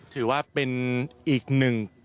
ถือว่าเป็นอีกหนึ่ง